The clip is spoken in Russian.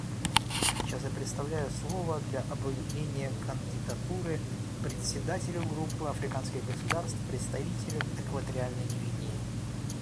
Сейчас я предоставляю слово для объявления кандидатуры Председателю Группы африканских государств представителю Экваториальной Гвинеи.